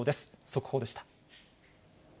速報でした。